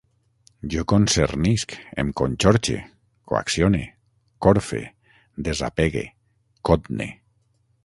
Jo concernisc, em conxorxe, coaccione, corfe, desapegue, cotne